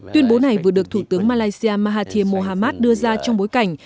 tuyên bố này vừa được thủ tướng malaysia mahathir mohamad đưa ra trong bối cảnh